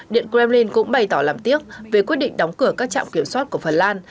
điện kremlin cũng bày tỏ làm tiếc về quyết định đóng cửa các trạm kiểm soát của phần lan